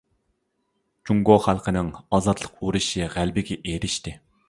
جۇڭگو خەلقىنىڭ ئازادلىق ئۇرۇشى غەلىبىگە ئېرىشتى.